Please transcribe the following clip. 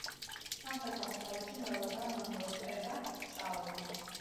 სამხრეთ-აღმოსავლეთში მრავლადაა მანგროს ტყე და ჭაობი.